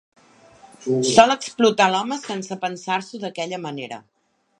Sol explotar l'home sense pensar-ho d'aquella manera.